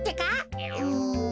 うん。